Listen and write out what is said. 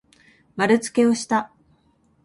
まるつけをした。